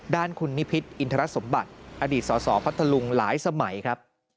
ด้านคุณนิพิษอินทรสมบัติอดีตสสพัทธลุงหลายสมัยครับ